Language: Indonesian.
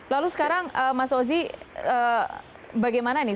lalu sekarang mas ozi bagaimana nih